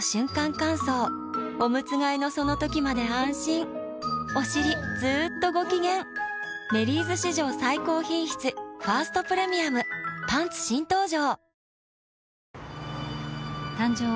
乾燥おむつ替えのその時まで安心おしりずっとご機嫌「メリーズ」史上最高品質「ファーストプレミアム」パンツ新登場！